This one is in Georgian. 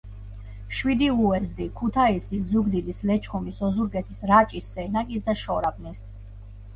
შვიდი უეზდი: ქუთაისის, ზუგდიდის, ლეჩხუმის, ოზურგეთის, რაჭის, სენაკის და შორაპნის.